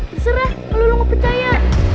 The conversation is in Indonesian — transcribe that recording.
terserah kalo lo gak percaya